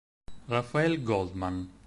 Raphaël Goldman